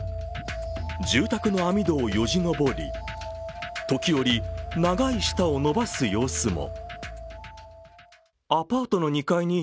住宅の網戸をよじ登り時折、長い舌を伸ばす様子も。